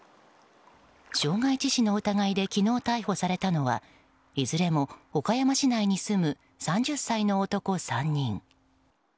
傷害致死の疑いで昨日、逮捕されたのはいずれも岡山市内に住む３０歳の男３人。